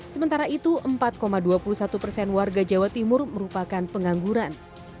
sementara itu empat dua puluh satu persen warga jawa timur merupakan pengangguran